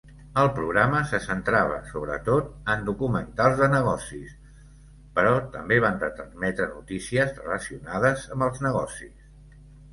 El programa se centrava, sobretot, en documentals de negocis, però també van retransmetre notícies relacionades amb els negocis.